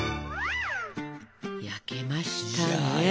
いや焼けました！